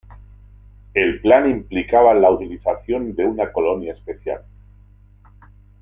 El plan implicaba la utilización de una colonia espacial.